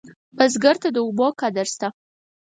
بزګر ته د اوبو قدر شته